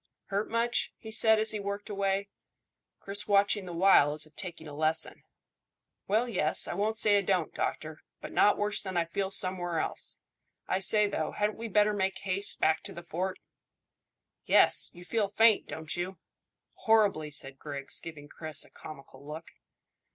"Hurt much?" he said, as he worked away, Chris watching the while as if taking a lesson. "Well, yes, I won't say it don't, doctor; but not worse than I feel somewhere else. I say, though, hadn't we better make haste back to the fort?" "Yes; you feel faint, don't you?" "Horribly," said Griggs, giving Chris a comical look.